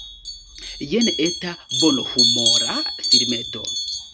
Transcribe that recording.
Jen eta bonhumora filmeto.